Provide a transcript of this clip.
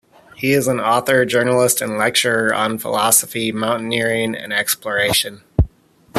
He is an author, journalist and lecturer on philosophy, mountaineering and exploration.